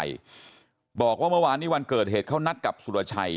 บอกว่าเมื่อวานนี้วันเกิดเหตุเขานัดกับสุรชัย